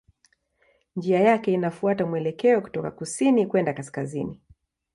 Njia yake inafuata mwelekeo kutoka kusini kwenda kaskazini.